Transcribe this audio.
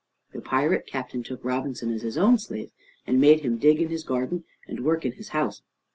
The pirate captain took Robinson as his own slave, and made him dig in his garden and work in his house.